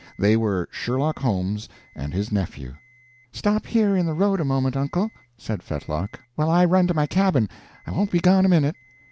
They were Sherlock Holmes and his nephew. "Stop here in the road a moment, uncle," said Fetlock, "while I run to my cabin; I won't be gone a minute."